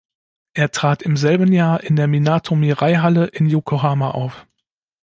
Er trat im selben Jahr in der "Minato Mirai Halle" in Yokohama auf.